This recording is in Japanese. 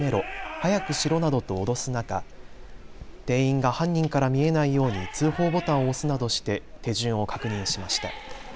早くしろなどと脅す中、店員が犯人から見えないように通報ボタンを押すなどして手順を確認しました。